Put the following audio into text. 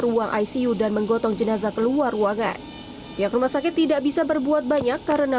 ruang icu dan menggotong jenazah keluar ruangan pihak rumah sakit tidak bisa berbuat banyak karena